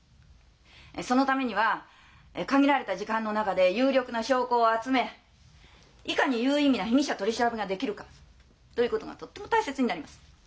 そのためには限られた時間の中で有力な証拠を集めいかに有意義な被疑者取り調べができるかということがとっても大切になります。